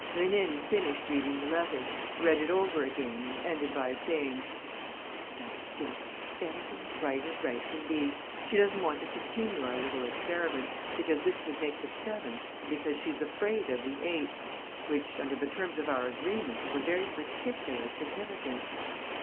Rénine finished reading the letter, read it over again and ended by saying: "That's it. Everything's right as right can be. She doesn't want to continue our little experiments, because this would make the seventh and because she's afraid of the eighth, which under the terms of our agreement has a very particular significance.